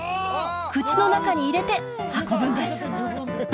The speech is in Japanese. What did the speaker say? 口の中に入れて運ぶんです